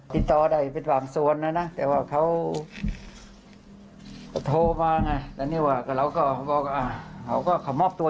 เพราะว่าส่วนตัวแล้วก็ไม่เคยคุยกับเขาเท่าไร